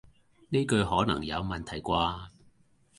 呢句可能有問題啩